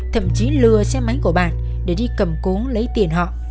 thậm chí lừa xe máy của bạn để đi cầm cố lấy tiền họ